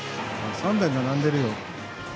３台並んでるよ。